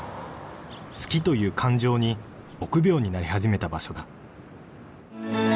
好きという感情に臆病になり始めた場所だ